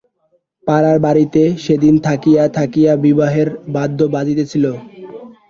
পাড়ার বাড়িতে সেদিন থাকিয়া থাকিয়া বিবাহের বাদ্য বাজিতেছিল।